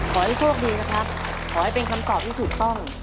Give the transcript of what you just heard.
ขอให้โชคดีนะครับขอให้เป็นคำตอบที่ถูกต้อง